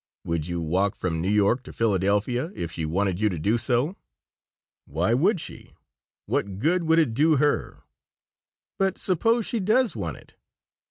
Would you walk from New York to Philadelphia if she wanted you to do so?" "Why should she? What good would it do her?" "But suppose she does want it?"